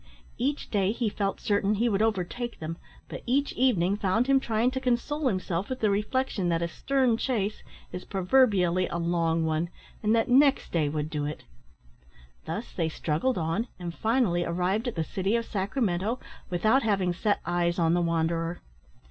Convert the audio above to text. Each day he felt certain he would overtake them, but each evening found him trying to console himself with the reflection that a "stern chase" is proverbially a long one, and that next day would do it. Thus they struggled on, and finally arrived at the city of Sacramento, without having set eyes on the wanderer.